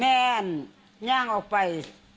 แม่ว่าเนี่ยงออกไป